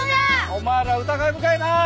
お前ら疑い深いなあ。